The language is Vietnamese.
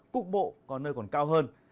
cục bộ có nơi còn cao hơn